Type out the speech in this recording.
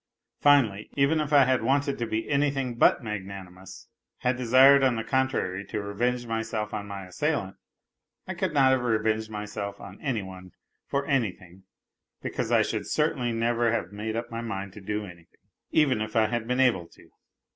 Finally, even if I had wanted to be anything but magnanimous, had desired on the contrary to revenge myself on my assailant, I could not have revenged myself on any one for anything because I should certainly never have made up my mind to do anything, even if I had been able to.